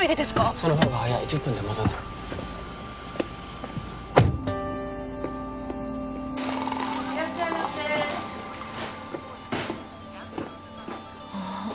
その方が早い１０分で戻る・いらっしゃいませあっ